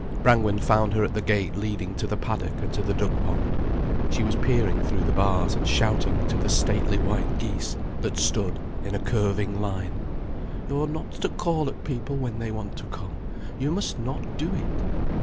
Brangwen found her at the gate leading to the paddock and to the duckpond. She was peering through the bars and shouting to the stately white geese, that stood in a curving line: "You're not to call at people when they want to come. You must not do it."